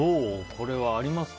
これはありますか？